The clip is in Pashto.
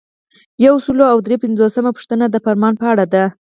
یو سل او درې پنځوسمه پوښتنه د فرمان په اړه ده.